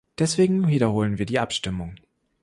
Deswegen wiederholen wir die Abstimmung.